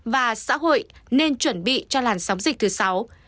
và xã hội nên chuẩn bị cho làn sóng dịch thứ sáu